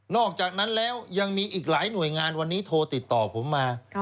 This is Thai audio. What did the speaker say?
อกจากนั้นแล้วยังมีอีกหลายหน่วยงานวันนี้โทรติดต่อผมมา